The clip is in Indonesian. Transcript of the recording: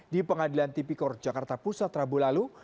di pengadilan tipikor jakarta pusat rabu lalu